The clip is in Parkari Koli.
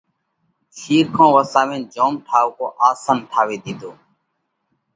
شِيرکون وساوينَ جوم ٺائُوڪو آسنَ ٺاوي ۮِيڌو۔